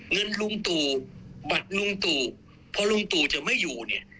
เงินลุงตู่บัตรลุงตู่พอลุงตู่จะไม่อยู่เนี่ย